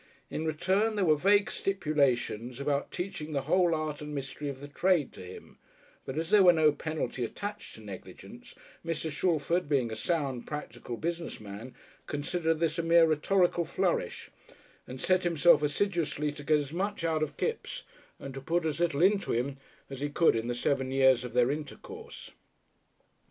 In return there were vague stipulations about teaching the whole art and mystery of the trade to him; but as there was no penalty attached to negligence, Mr. Shalford, being a sound, practical business man, considered this a mere rhetorical flourish, and set himself assiduously to get as much out of Kipps and to put as little into him as he could in the seven years of their intercourse.